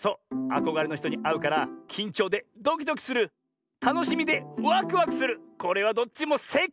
あこがれのひとにあうからきんちょうでドキドキするたのしみでワクワクするこれはどっちもせいかい！